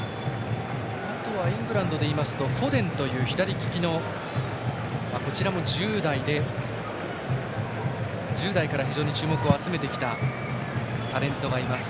イングランドでいいますとフォデンという左利きのこちらも１０代から非常に注目を集めてきたタレントがいます。